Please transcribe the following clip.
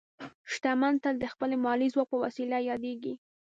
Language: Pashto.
شتمن تل د خپل مالي ځواک په وسیله یادېږي.